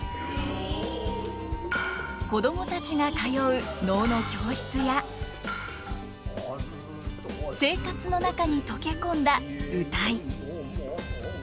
子供たちが通う能の教室や生活の中に溶け込んだ謡。